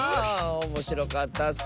おもしろかったッス！